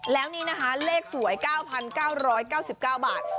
แล้วนี่นะคะเลขสวย๙๙๙๙๙บาท